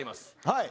はい。